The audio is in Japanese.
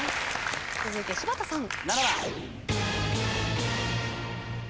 続いて柴田さん。